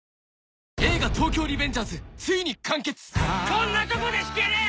「こんなとこで引けねえ！」